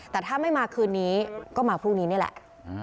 แต่ถ้าไม่มาคืนนี้ก็มาพรุ่งนี้นี่แหละ